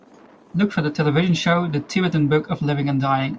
look for the television show The Tibetan Book of Living and Dying